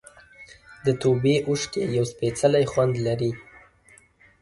د توبې اوښکې یو سپېڅلی خوند لري.